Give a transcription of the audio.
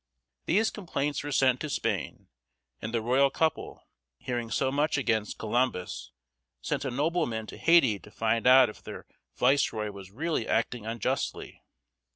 These complaints were sent to Spain, and the royal couple, hearing so much against Columbus, sent a nobleman to Haiti to find out if their viceroy was really acting unjustly.